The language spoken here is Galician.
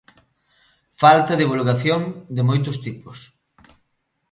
Falta divulgación de moitos tipos.